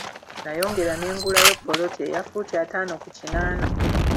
Nayongera nengulayo ppoloti eya ffuuti ataano ku kinaana.